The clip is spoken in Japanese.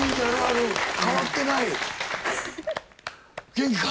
元気か？